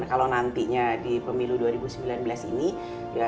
kalau nantinya di pemilu dua ribu sembilan belas ini ya selanjutnya kita tuh bisa menjawab itu